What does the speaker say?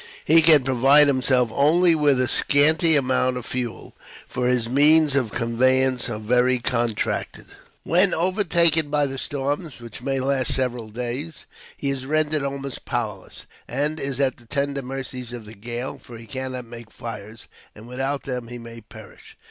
He can provide himself only with a scanty amount of fuel, for his means of conveyance are very contracted. When overtaken by the storms, which may last several days, he is rendered almost powerless, and is at the tender mercies of the gale; for he cannot make fires, and without them he may perish.